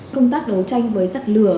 công tác đấu tranh với giặc lửa